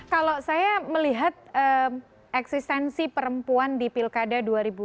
kalau saya melihat eksistensi perempuan di pilkada dua ribu dua puluh